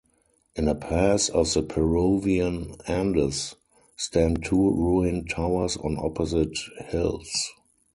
In a pass of the Peruvian Andes stand two ruined towers on opposite hills.